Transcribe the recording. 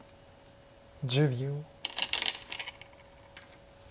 １０秒。